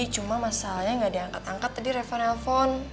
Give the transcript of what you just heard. cuma masalahnya gak diangkat angkat tadi refer nelpon